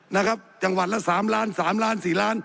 นะครับจังหวัดละ๓ล้าน๓ล้าน๔ล้าน